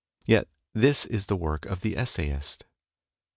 Yet this is the work of the essayist.